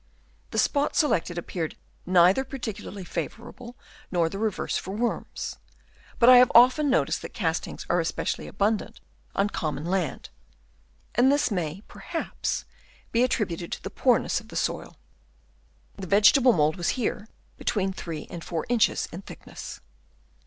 The spot selected appeared neither particularly favourable nor the reverse for worms ; but I have often noticed that castings are especially abundant on common land, and this may, perhaps, be attributed to the poorness of the soil. The vegetable mould was here between three and four inches in thickness.